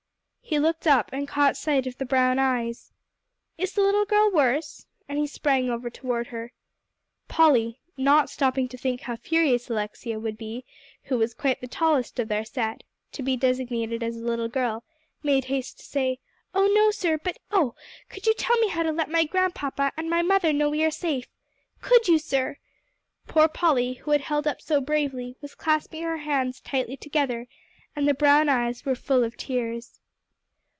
He looked up, and caught sight of the brown eyes. "Is the little girl worse?" And he sprang over toward her. Polly, not stopping to think how furious Alexia would be, who was quite the tallest of their set, to be designated as a little girl, made haste to say, "Oh no, sir; but oh, could you tell me how to let my grandpapa and my mother know we are safe? Could you, sir?" Poor Polly, who had held up so bravely, was clasping her hands tightly together, and the brown eyes were full of tears.